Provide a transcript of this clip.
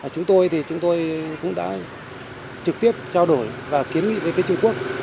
chúng tôi cũng đã trực tiếp trao đổi và kiến nghị với trung quốc